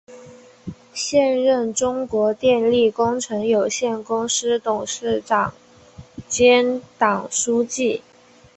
现任中国电力工程有限公司董事长兼党书记。